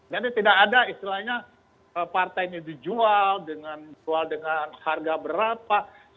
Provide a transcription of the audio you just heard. jadi tidak ada istilahnya partainya dijual dengan harga berapa